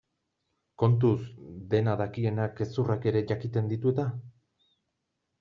Kontuz, dena dakienak gezurrak ere jakiten ditu eta?